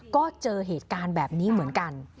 ก็เจอเหตุการณ์แบบนี้เหมือนกัน